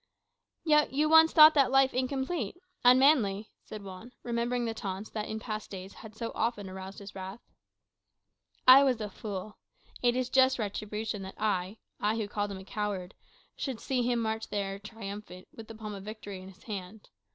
"Yet you once thought that life incomplete, unmanly," said Juan, remembering the taunts that in past days had so often aroused his wrath. "I was a fool. It is just retribution that I I who called him coward should see him march in there triumphant, with the palm of victory in his hand.